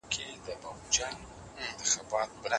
وینه بندېدل او زړه ستونزې د اوږدمهاله اختلال پایلې دي.